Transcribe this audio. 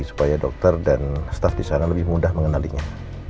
supaya dokter dan staff disana lebih mudah mengenalinya